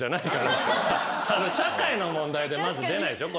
社会の問題でまず出ないでしょ